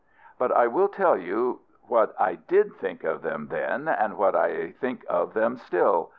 But I will tell you what I did think of them then, and what I think of them still.